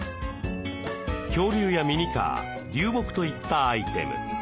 恐竜やミニカー流木といったアイテム。